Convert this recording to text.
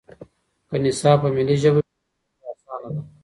که نصاب په ملي ژبه وي نو زده کړه اسانه ده.